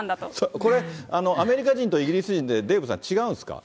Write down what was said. これ、アメリカ人とイギリス人でデーブさん、違うんですか？